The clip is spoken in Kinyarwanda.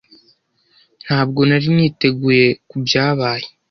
Ntabwo nari niteguye kubyabaye.